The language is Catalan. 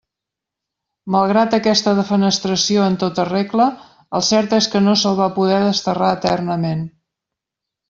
Malgrat aquesta defenestració en tota regla, el cert és que no se'l va poder desterrar eternament.